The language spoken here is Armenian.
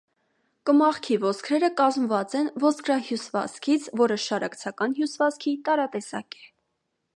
Կմախքի ոսկրերը կազմված են ոսկրահյուսվածքից, որը շարակցական հյուսվածքի տարատեսակ է։